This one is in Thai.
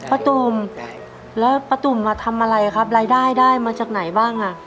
ตูมแล้วป้าตุ๋มมาทำอะไรครับรายได้ได้มาจากไหนบ้างอ่ะ